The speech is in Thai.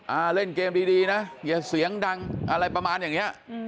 เล่นเกมดีดีนะอย่าเสียงดังอะไรประมาณอย่างเนี้ยอืม